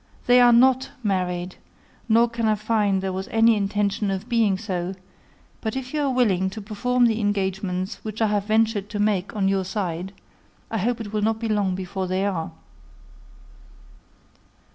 They are not married, nor can I find there was any intention of being so; but if you are willing to perform the engagements which I have ventured to make on your side, I hope it will not be long before they are.